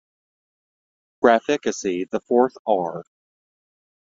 Graphicacy; The fourth 'R'?